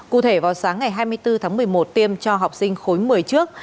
cụ thể vào sáng ngày hai mươi bốn tháng một mươi một tiêm cho học sinh khối một mươi trước